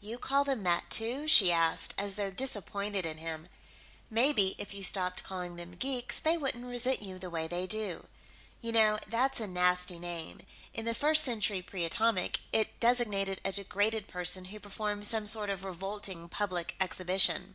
"You call them that, too?" she asked, as though disappointed in him. "Maybe if you stopped calling them geeks, they wouldn't resent you the way they do. You know, that's a nasty name; in the First Century Pre Atomic, it designated a degraded person who performed some sort of revolting public exhibition...."